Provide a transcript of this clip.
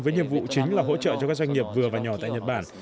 với nhiệm vụ chính là hỗ trợ cho các doanh nghiệp vừa và nhỏ tại nhật bản